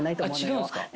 違うんすか？